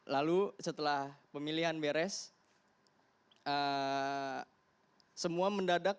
lalu setelah pemilihan beres semua mendadak